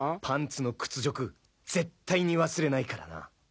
パンツの屈辱絶対に忘れないからな！